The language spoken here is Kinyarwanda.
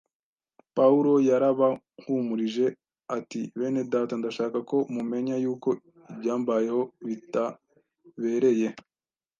Pawulo yarabahumurije ati: “Bene Data, ndashaka ko mumenya yuko ibyambayeho bitabereye